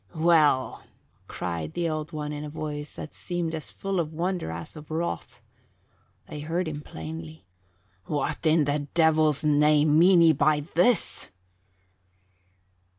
"Well," cried the Old One in a voice that seemed as full of wonder as of wrath, they heard him plainly, "what in the Devil's name mean ye by this?"